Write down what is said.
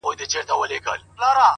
د نیکه او د بابا په کیسو پايي؛